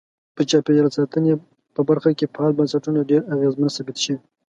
په چاپیریال ساتنې په برخه کې فعال بنسټونه ډیر اغیزمن ثابت شوي.